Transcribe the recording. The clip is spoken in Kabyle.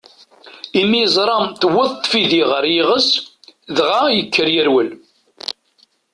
Imi yeẓra tewweḍ tfidi ɣer yiɣes, dɣa yekker yerwel.